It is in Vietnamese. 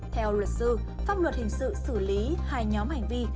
theo luật sư pháp luật hình sự xử lý hai nhóm hành vi